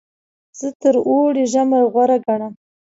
زه تر اوړي ژمی غوره ګڼم.